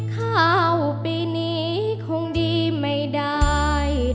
ข้าวปีนี้คงดีไม่ได้